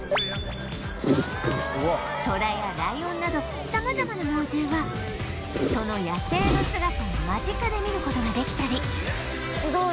トラやライオンなど様々な猛獣はその野生の姿を間近で見る事ができたり